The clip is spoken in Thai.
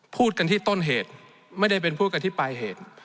พูดกันที่ต้นเหตุไม่ได้เป็นพูดกันที่ปลายเหตุ